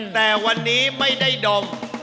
แต่วันนี้ไม่ได้ดม